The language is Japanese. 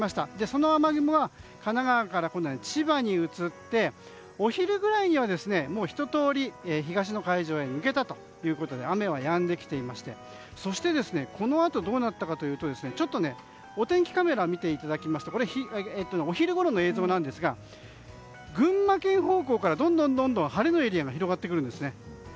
その雨雲は神奈川から千葉に移ってお昼ぐらいには一通り東の海上へ抜けたということで雨はやんできていてそして、このあとどうなったかというとお天気カメラを見ていただきますとお昼ごろの映像なんですが群馬県方向からどんどん晴れのエリアが広がってきています。